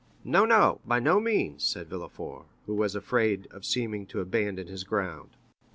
"No, no,—by no means," said Villefort, who was afraid of seeming to abandon his ground.